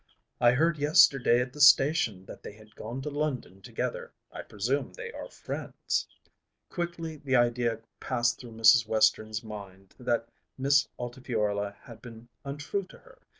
"I heard yesterday at the station that they had gone to London together. I presume they are friends." Quickly the idea passed through Mrs. Western's mind that Miss Altifiorla had been untrue to her.